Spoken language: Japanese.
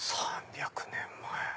３００年前。